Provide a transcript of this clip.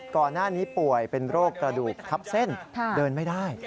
ก่อนหน้านี้ป่วยเป็นโรคกระดูกทับเส้นเดินไม่ได้